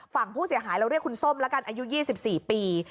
ฝั่งผู้เสียหายเราเรียกคุณส้มแล้วกันอายุ๒๔ปี